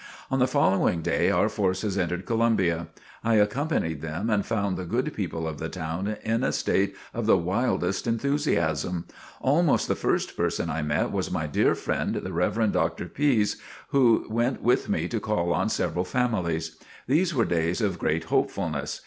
On the following day our forces entered Columbia. I accompanied them and found the good people of the town in a state of the wildest enthusiasm. Almost the first person I met was my dear friend, the Rev. Dr. Pise who went with me to call on several families. These were days of great hopefulness.